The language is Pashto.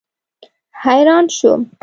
حیران شوم.